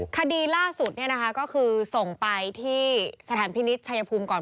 คดีล่าสุดก็คือส่งไปที่สถานพินิษฐ์ชายภูมิก่อน